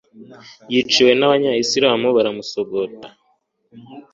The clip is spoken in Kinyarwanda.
yiciwe n'abayisilamu baramusogota